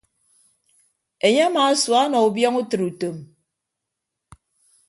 Enye amaasua ọnọ ubiọñ utịre utom.